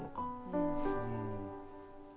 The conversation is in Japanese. うん。